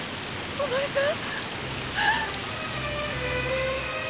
お前さん！